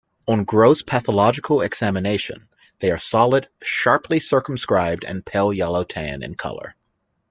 On gross pathological examination, they are solid, sharply circumscribed and pale yellow-tan in colour.